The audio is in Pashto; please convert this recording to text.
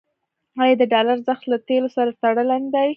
آیا د ډالر ارزښت له تیلو سره تړلی نه دی؟